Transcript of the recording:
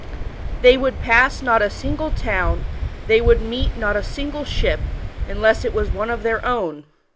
They would pass not a single town, they w^uld meet not a single ship, unless it was one of their own.